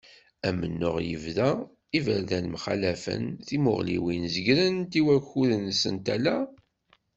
Amennuɣ yebḍa, iberdan mxalafen, timuɣliwin zegrent i wakkud-nsent, ala.